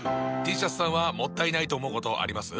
Ｔシャツさんはもったいないと思うことあります？